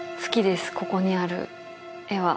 ここにある絵は。